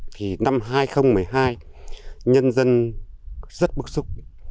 thì năm hai nghìn một mươi hai nhân dân rất bức xúc